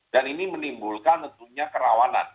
dan ini menimbulkan tentunya kerawanan